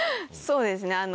そうですね